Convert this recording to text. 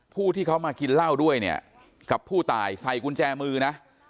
ผู้ที่เขามากินเหล้าด้วยเนี่ยกับผู้ตายใส่กุญแจมือนะ